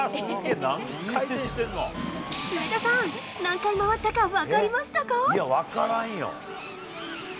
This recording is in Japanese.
上田さん、何回回ったか分かりまいや、分からんよ。